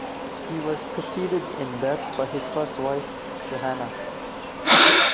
He was preceded in death by his first wife, Johanna.